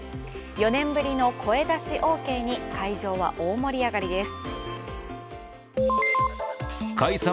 ４年ぶりの声出しオーケーに会場は大盛り上がりです。